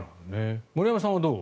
森山さんはどう？